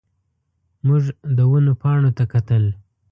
موږ د ونو پاڼو ته کتل.